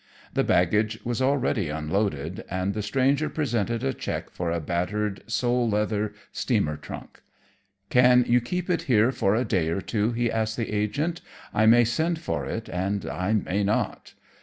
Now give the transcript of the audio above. The baggage was already unloaded, and the stranger presented a check for a battered sole leather steamer trunk. "Can you keep it here for a day or two?" he asked the agent. "I may send for it, and I may not."